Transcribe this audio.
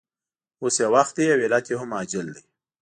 اوس یې وخت دی او علت یې هم عاجل دی